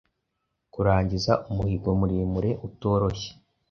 kurangiza umuhinga muremure, utorohye